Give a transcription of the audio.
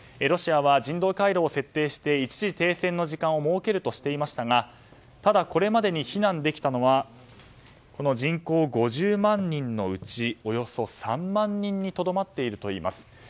ロシアは人道回廊を設定して一時停戦の時間を設けるとしていましたがただ、これまでに避難できたのは人口５０万人のうちおよそ３万人にとどまっているといいます。